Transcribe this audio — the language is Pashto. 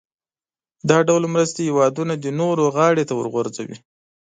دا ډول مرستې هېوادونه د نورو غاړې ته ورغورځوي.